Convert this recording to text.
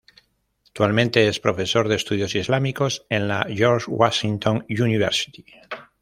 Actualmente es profesor de Estudios Islámicos en la George Washington University.